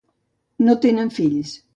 No tenen fills.